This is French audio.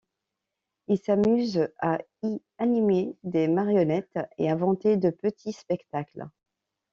Il s'amuse à y animer des marionnettes et inventer de petits spectacles.